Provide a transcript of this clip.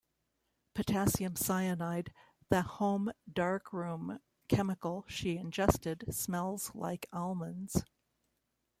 Potassium cyanide, the home darkroom chemical she ingested, smells like almonds.